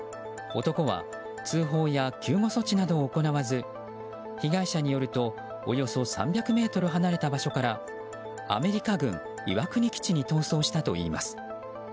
男は通報や救護措置などを行わず被害者によるとおよそ３００ｍ離れた場所からアメリカ軍岩国基地に逃走したといいます。